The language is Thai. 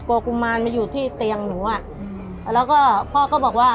กลัวอุมานมาอยู่ที่เตียงหนูแล้วก็พ่อก็บอกว่า